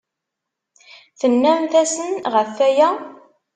Tennamt-asen ɣef waya?